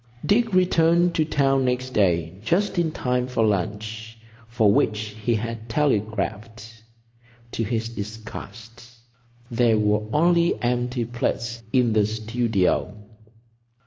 Dick returned to town next day just in time for lunch, for which he had telegraphed. To his disgust, there were only empty plates in the studio.